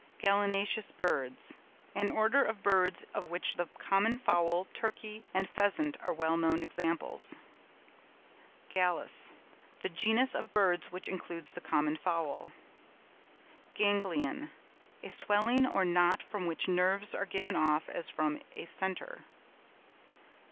GALLINACEOUS BIRDS.—An order of birds of which the common Fowl, Turkey, and Pheasant, are well known examples. GALLUS.—The genus of birds which includes the common Fowl. GANGLION.—A swelling or knot from which nerves are given off as from a centre.